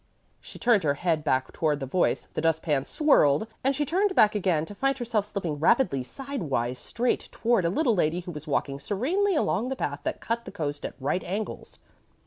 She turned her head back toward the voice, the dust pan swirled, and she turned back again to find herself slipping rapidly sidewise straight toward a little lady who was walking serenely along the path that cut the coast at right angles.